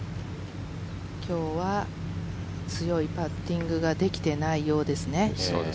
今日は強いパッティングができていないようですね。